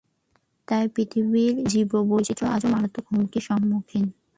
তাই পৃথিবীর জীববৈচিত্র্য আজ মারাত্মক হুমকির সম্মুখীন।